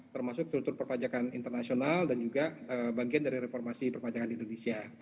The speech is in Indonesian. termasuk struktur perpajakan internasional dan juga bagian dari reformasi perpajakan indonesia